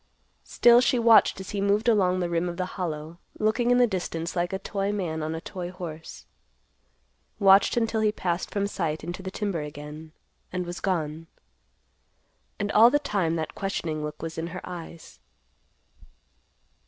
Still she watched as he moved along the rim of the Hollow, looking in the distance like a toy man on a toy horse; watched until he passed from sight into the timber again, and was gone. And all the time that questioning look was in her eyes.